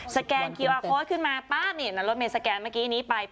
ถ้าขึ้นมาแบบนี้